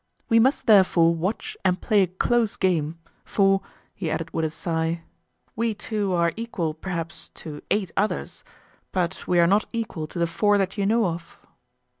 We must, therefore, watch and play a close game; for," he added with a sigh, "we two are equal, perhaps, to eight others; but we are not equal to the four that you know of."